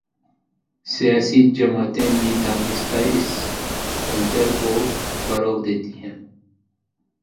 سیاسی جماعتیں بھی دانستہ اس کلچرکو فروغ دیتی ہیں۔